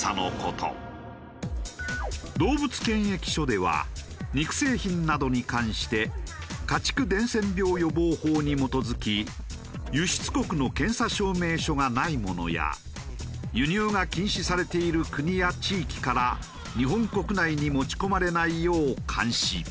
動物検疫所では肉製品などに関して家畜伝染病予防法に基づき輸出国の検査証明書がないものや輸入が禁止されている国や地域から日本国内に持ち込まれないよう監視。